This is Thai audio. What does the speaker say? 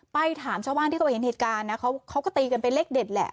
ไปถามชาวบ้านที่เขาเห็นเหตุการณ์นะเขาก็ตีกันเป็นเลขเด็ดแหละ